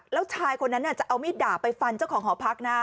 แล้วชายคนนั้นจะเอามีดดาบไปฟันเจ้าของหอพักนะ